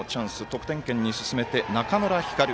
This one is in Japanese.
得点圏に進めて中村光琉。